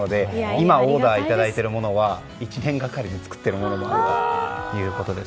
今オーダーいただいたものは１年がかりで作っているものだということです。